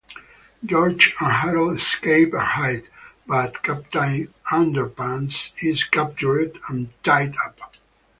George and Harold escape and hide, but Captain Underpants is captured and tied up.